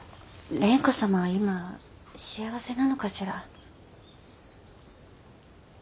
蓮子様は今幸せなのかしら。